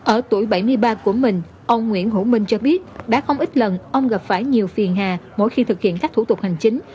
ở tuổi bảy mươi ba của mình ông nguyễn hữu minh cho biết đã không ít lần ông gặp phải nhiều phiền hà mỗi khi thực hiện các thủ tục hành chính